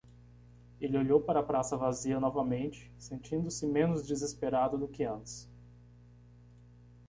Ele olhou para a praça vazia novamente, sentindo-se menos desesperado do que antes.